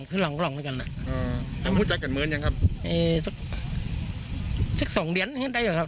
สาเหตุนี้จะมาจากเรื่องยาเสพติดอย่างเดียวอะไรไหมครับ